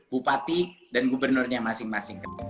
bupati dan gubernurnya masing masing